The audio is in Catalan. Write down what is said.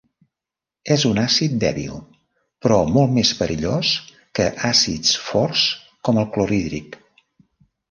És un àcid dèbil, però molt més perillós que àcids forts com el clorhídric.